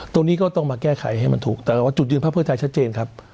ตรงนี้ก็ต้องมาแก้ไขให้มันถูกแต่ว่าจุดยืนภาคเพื่อไทยชัดเจนครับ